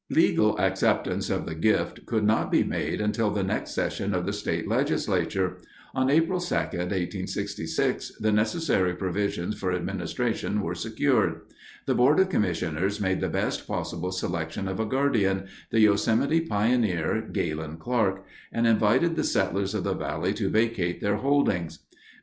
Legal acceptance of the gift could not be made until the next session of the state legislature. On April 2, 1866, the necessary provisions for administration were secured. The board of commissioners made the best possible selection of a guardian, the Yosemite pioneer, Galen Clark, and invited the settlers of the valley to vacate their holdings.